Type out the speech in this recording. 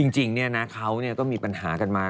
จริงเนี่ยนะเขาเนี่ยก็มีปัญหากันมา